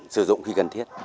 sử dụng khi cần thiết